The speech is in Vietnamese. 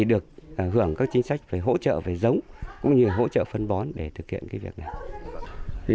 được hưởng các chính sách về hỗ trợ về giống cũng như hỗ trợ phân bón để thực hiện việc này